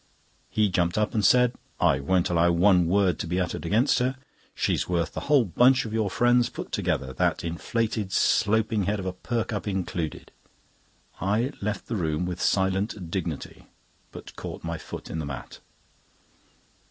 He jumped up and said: "I won't allow one word to be uttered against her. She's worth the whole bunch of your friends put together, that inflated, sloping head of a Perkupp included." I left the room with silent dignity, but caught my foot in the mat.